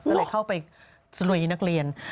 ก็เลยเข้าไปลุยนักเรียน